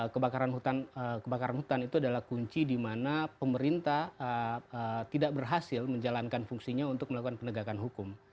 kebakaran hutan kebakaran hutan itu adalah kunci di mana pemerintah tidak berhasil menjalankan fungsinya untuk melakukan penegakan hukum